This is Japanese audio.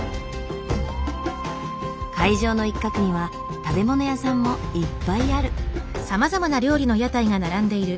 会場の一角には食べ物屋さんもいっぱいある。